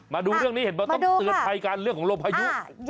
มาดูเรื่องนี้เห็นว่าต้องเตือนภัยกันเรื่องของลมพายุ